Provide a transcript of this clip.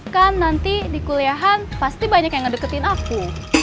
kan nanti di kuliahan pasti banyak yang ngedeketin aku